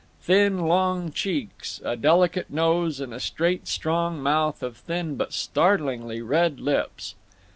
Thin long cheeks, a delicate nose, and a straight strong mouth of thin but startlingly red lips.